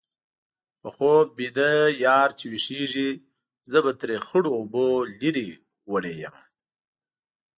په خوب ویده یار چې ويښېږي-زه به ترې خړو اوبو لرې وړې یمه